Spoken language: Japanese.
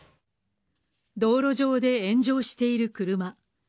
道路上で炎上している車。